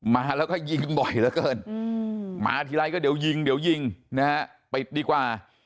มาแล้วก็ยิงบ่อยเหลือเกินมาทีไรก็เดี๋ยวยิงเดี๋ยวยิงนะฮะปิดดีกว่า